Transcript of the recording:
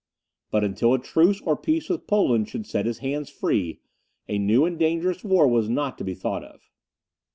But, until a truce or peace with Poland should set his hands free, a new and dangerous war was not to be thought of.